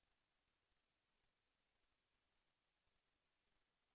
แสวได้ไงของเราก็เชียนนักอยู่ค่ะเป็นผู้ร่วมงานที่ดีมาก